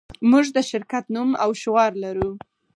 موږ د شرکت نوم او شعار لرو